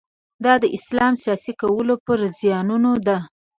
دا د اسلام سیاسي کولو پر زیانونو ده.